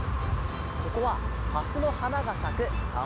ここはハスのはながさくたんぼだよ。